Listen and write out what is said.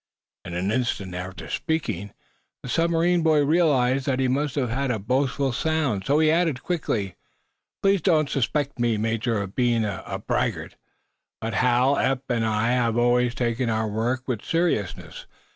In an instant after speaking the submarine boy realized that this must have had a boastful sound. So he added, quickly: "Please don't suspect me, Major, of being a braggart. But Hal, Eph and I have always taken our work with seriousness.